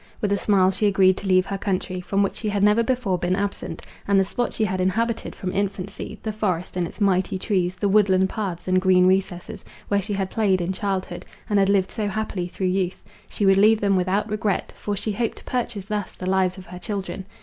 With a smile she agreed to leave her country, from which she had never before been absent, and the spot she had inhabited from infancy; the forest and its mighty trees, the woodland paths and green recesses, where she had played in childhood, and had lived so happily through youth; she would leave them without regret, for she hoped to purchase thus the lives of her children.